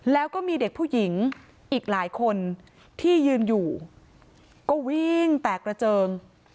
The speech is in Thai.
แล้วก็มีเด็กผู้หญิงอีกหลายคนที่ยืนอยู่ก็วิ่งแตกกระเจิง